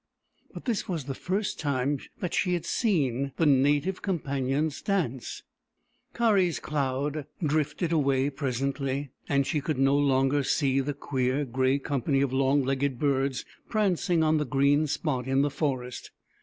But this was the first time that she had seen the Native Companions dance. 68 THE EMU WHO WOULD DANCE Karl's cloud drifted away presently, and she could no longer see the queer grey company of long legged birds prancing on the green spot in the forest.